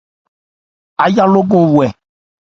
Áyá lókɔn wɛ.